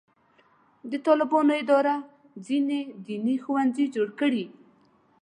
د طالبانو اداره ځینې دیني ښوونځي جوړ کړي.